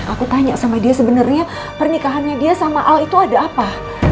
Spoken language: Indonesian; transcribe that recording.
aku tanya sama dia sebenarnya pernikahannya dia sama al itu ada apa